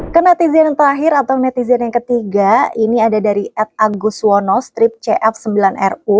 ke netizen yang terakhir atau netizen yang ketiga ini ada dari ed agus wono strip cf sembilan ru